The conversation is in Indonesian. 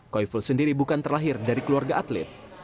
koyful sendiri bukan terlahir dari keluarga atlet